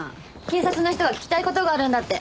警察の人が聞きたい事があるんだって。